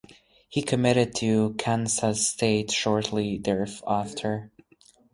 He committed to Kansas State shortly thereafter.